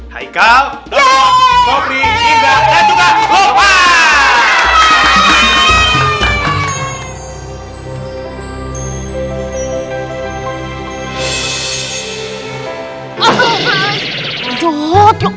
haikal domod kopri inga dan juga loh pak